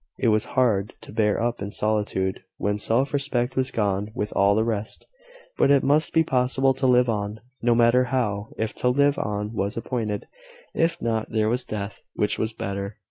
It was hard to bear up in solitude when self respect was gone with all the rest; but it must be possible to live on no matter how if to live on was appointed. If not, there was death, which was better.